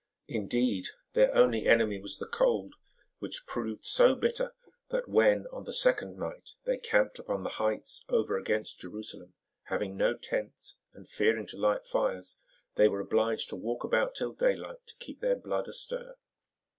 Indeed, their only enemy was the cold, which proved so bitter that when, on the second night, they camped upon the heights over against Jerusalem, having no tents and fearing to light fires, they were obliged to walk about till daylight to keep their blood astir.